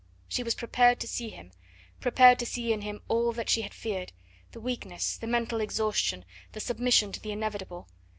She was prepared to see him, prepared to see in him all that she had feared; the weakness, the mental exhaustion, the submission to the inevitable.